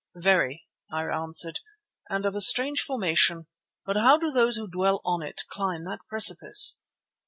"Very," I answered, "and of a strange formation. But how do those who dwell on it climb that precipice?"